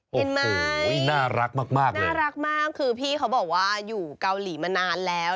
เห็นไหมน่ารักมากน่ารักมากคือพี่เขาบอกว่าอยู่เกาหลีมานานแล้ว